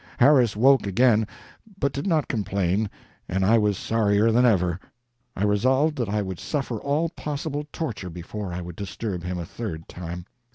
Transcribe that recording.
Harris woke again, but did not complain, and I was sorrier than ever. I resolved that I would suffer all possible torture before I would disturb him a third time.